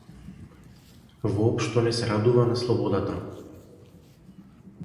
Воопшто не се радува на слободата.